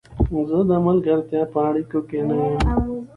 زه د ملګرتیا په اړیکو کې نه یم.